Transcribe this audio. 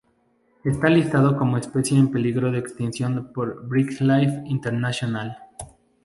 Está listado como especie en peligro por BirdLife International.